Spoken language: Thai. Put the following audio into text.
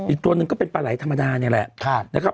อีกตัวนึงก็เป็นปลาไหล่ธรรมดานี่แหละ